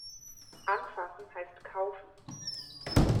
Anfassen heißt kaufen.